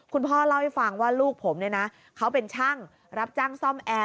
คุณพ่อเล่าให้ฟังว่าลูกผมเนี่ยนะเขาเป็นช่างรับจ้างซ่อมแอร์